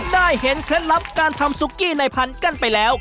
ได้เห็นเคล็ดลับการทำซุกี้ในพันธุ์กันไปแล้ว